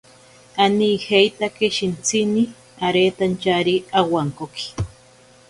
Anijeitake shintsini aretantyari awankoki.